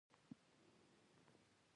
چا ورته ويلي وو چې اپرېشن غواړي.